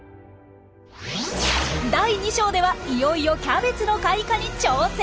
第２章ではいよいよキャベツの開花に挑戦！